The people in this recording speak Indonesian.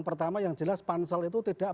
pertama yang jelas pansel itu tidak